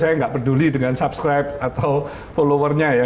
saya nggak peduli dengan subscribe atau followernya ya